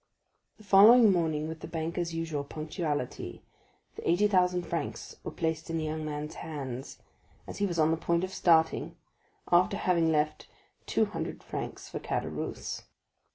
The following morning, with the banker's usual punctuality, the eighty thousand francs were placed in the young man's hands, as he was on the point of starting, after having left two hundred francs for Caderousse.